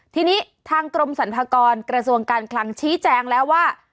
ทีนี้ทางกรมสรรพากรกระทรวงการคลังชี้แจงแล้วว่า